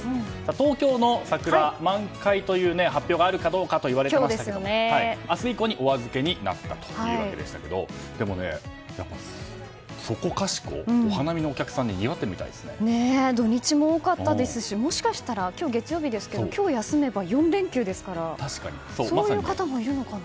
東京の桜、満開という発表があるかどうかといわれていましたが、明日以降にお預けになったというわけですがでも、そこかしこお花見のお客さんで土日も多かったですしもしかしたら今日、月曜日ですけど今日休めば４連休ですから。そういう方もいるのかな。